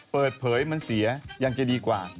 เปิดเป๋ยมันเสียอย่างเกลียดีกว่า